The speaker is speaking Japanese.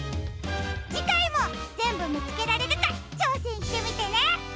じかいもぜんぶみつけられるかちょうせんしてみてね！